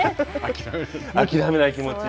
諦めない気持ち。